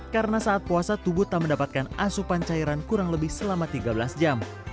karena saat puasa tubuh tak mendapatkan asupan cairan kurang lebih selama tiga belas jam